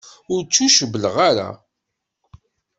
Ur ttucewwleɣ ara.